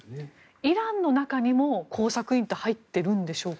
イランの中にも工作員は入っているんでしょうか。